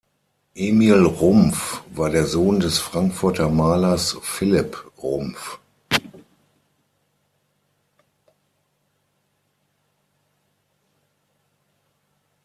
Emil Rumpf war der Sohn des Frankfurter Malers Philipp Rumpf.